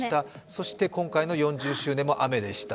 そして今回の４０周年も雨でした。